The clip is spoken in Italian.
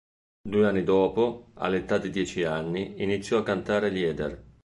Due anni dopo, all'età di dieci anni, iniziò a cantare lieder.